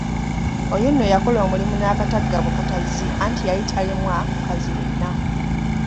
Oyo nno yakola omulimu n'akatagga bukatazzi anti yali talemwa mukazi yenna.